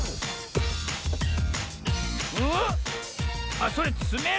あっそれつめる